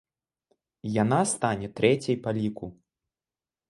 Яна стане трэцяй па ліку.